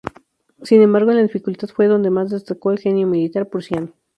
Sin embargo, en la dificultad fue donde más destacó el genio militar prusiano.